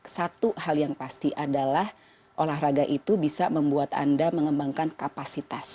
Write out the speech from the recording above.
satu hal yang pasti adalah olahraga itu bisa membuat anda mengembangkan kapasitas